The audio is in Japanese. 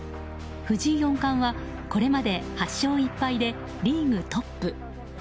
藤井四冠はこれまで８勝１敗でリーグトップ。